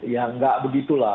ya enggak begitu lah